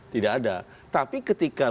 tidak ada tapi ketika